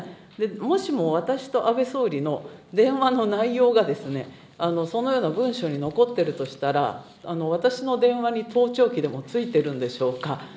もしも私と安倍総理の電話の内容がですね、そのような文書に残っているとしたら、私の電話に盗聴器でも付いてるんでしょうか。